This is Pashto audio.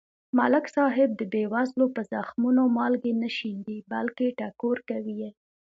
ملک صاحب د بې وزلو په زخمونو مالګې نه شیندي. بلکې ټکور کوي یې.